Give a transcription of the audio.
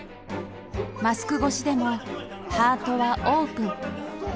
マスク越しでもハートはオープン。